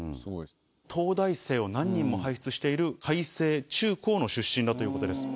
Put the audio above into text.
東大生を何人も輩出している開成中・高の出身だということです。